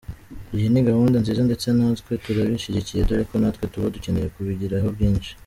Iyi ni gahunda nziza ndetse natwe turabishyigiye dore ko natwe tuba dukeneye kubigiraho byinshi”.